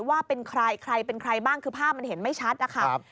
ว่าเป็นใครใครเป็นใครบ้างคือภาพมันเห็นไม่ชัดนะคะ